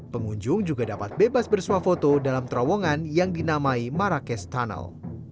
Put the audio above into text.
pengunjung juga dapat bebas bersuah foto dalam terowongan yang dinamai marrakesh tunnel